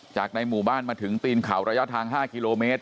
ในหมู่บ้านมาถึงตีนเขาระยะทาง๕กิโลเมตร